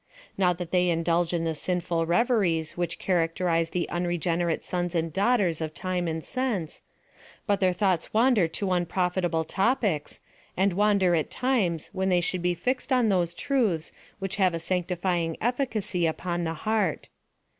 Not that they indulge in the sinful reveries which characterize the unregenerate sons ind daughters of time and sense ; but th<^ir thoughts 210 PHILOSOPHY OP IllE wan Jer to unprofitable topics, and wander at times when they should be fixed on those truths which have a sanctifying efficacy upon the heart.